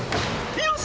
よし。